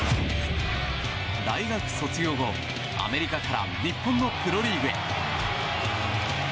大学卒業後、アメリカから日本のプロリーグへ。